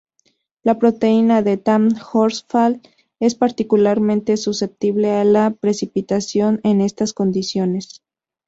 La proteína de Tamm-Horsfall es particularmente susceptible a la precipitación en estas condiciones.